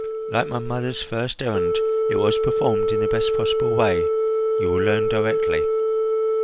Like my mother's first errand, it was performed in the best possible way. You will learn directly.